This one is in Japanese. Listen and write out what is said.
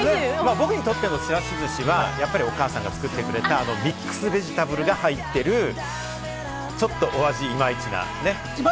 僕にとってはお母さんが作ってくれたミックスベジタブルが入っている、ちょっとお味、いまいちなね。